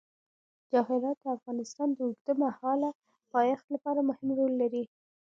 جواهرات د افغانستان د اوږدمهاله پایښت لپاره مهم رول لري.